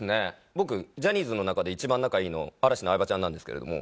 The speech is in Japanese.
僕ジャニーズの中で一番仲いいの嵐の相葉ちゃんなんですけれども。